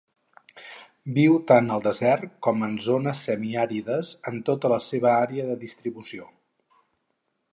Viu tant al desert com en zones semiàrides en tota la seva àrea de distribució.